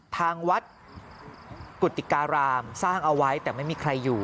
ทางวัดกุฏิการามสร้างเอาไว้แต่ไม่มีใครอยู่